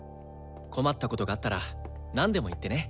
困ったことがあったらなんでも言ってね。